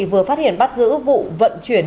vừa phát hiện bắt giữ vụ vận chuyển